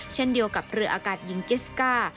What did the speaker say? เช่นเดียวกับเรืออากาศหญิงเจสก้า